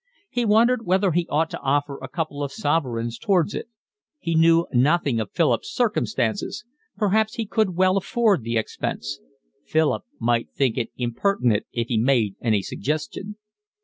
He wondered whether he ought to offer a couple of sovereigns towards it. He knew nothing of Philip's circumstances; perhaps he could well afford the expense; Philip might think it impertinent if he made any suggestion.